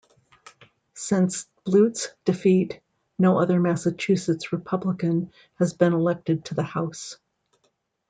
Since Blute's defeat, no other Massachusetts Republican has been elected to the House.